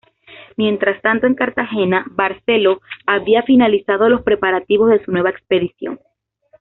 Mientras tanto, en Cartagena Barceló había finalizado los preparativos de su nueva expedición.